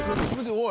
おい。